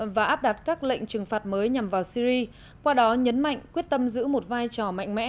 và áp đặt các lệnh trừng phạt mới nhằm vào syri qua đó nhấn mạnh quyết tâm giữ một vai trò mạnh mẽ